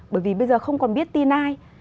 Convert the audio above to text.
bởi vì bây giờ không còn biết tin ai